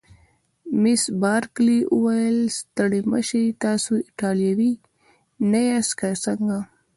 مس بارکلي وویل: ستړي مه شئ، تاسي ایټالوي نه یاست که څنګه؟